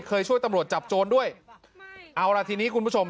ช่วยตำรวจจับโจรด้วยเอาล่ะทีนี้คุณผู้ชม